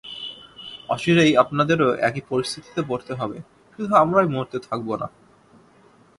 অচিরেই আপনাদেরও একই পরিস্থিতিতে পড়তে হবে, শুধু আমরাই মরতে থাকব না।